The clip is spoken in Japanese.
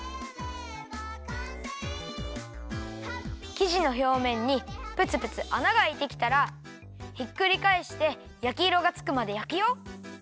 きじのひょうめんにプツプツあながあいてきたらひっくりかえしてやきいろがつくまでやくよ。